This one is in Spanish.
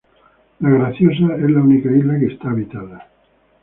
La Graciosa es la única isla que está habitada.